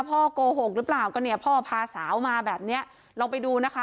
พากลโกหกรึเปล่าก็เนี่ยพาสาวมาแบบเนี้ยลองไปดูนะคะ